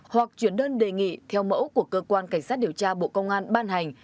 hoặc chuyển đơn đề nghị theo mẫu của cơ quan cảnh sát điều tra bộ công an ban hành